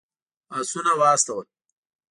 آسونه واستول.